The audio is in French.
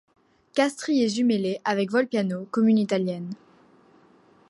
Castries est jumelée avec Volpiano, commune italienne.